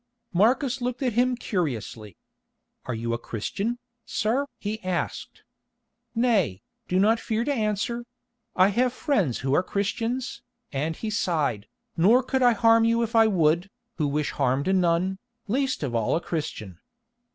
Marcus looked at him curiously. "Are you a Christian, sir?" he asked. "Nay, do not fear to answer; I have friends who are Christians," and he sighed, "nor could I harm you if I would, who wish to harm none, least of all a Christian."